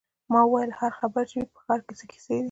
ما وویل: هر خبر چې وي، په ښار کې څه کیسې دي.